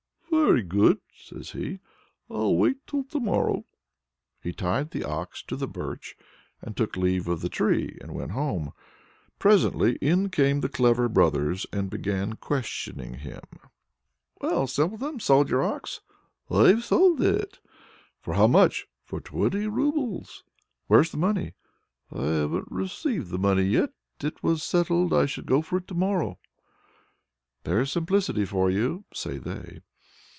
"Very good," says he, "I'll wait till to morrow!" He tied the ox to the Birch, took leave of the tree, and went home. Presently in came the clever brothers, and began questioning him: "Well, Simpleton! sold your ox?" "I've sold it." "For how much?" "For twenty roubles." "Where's the money?" "I haven't received the money yet. It was settled I should go for it to morrow." "There's simplicity for you!" say they.